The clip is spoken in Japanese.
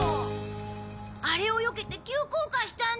あれをよけて急降下したんだ。